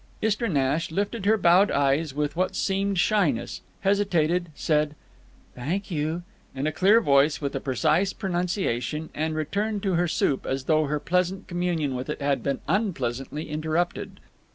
Istra Nash lifted her bowed eyes with what seemed shyness, hesitated, said "Thank you" in a clear voice with a precise pronunciation, and returned to her soup, as though her pleasant communion with it had been unpleasantly interrupted.